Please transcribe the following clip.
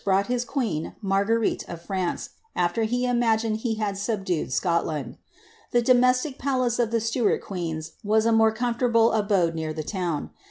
brought his queen, Murgucrite uf Fiance, after he imasinc^ he had subdued Scotland. The domestic palace of the Stuart qut^ns was a more coinforiable abode near the town.